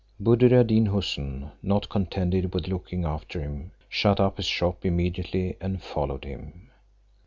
Buddir ad Deen Houssun, not contented with looking after him, shut up his shop immediately, and followed him.